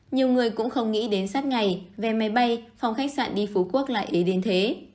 nhiều người cũng không nghĩ đến sát ngày vé máy bay phòng khách sạn đi phú quốc lại ý đến thế